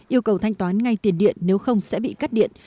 yêu cầu thanh toán ngay tiền điện nếu không sẽ bị cắt điện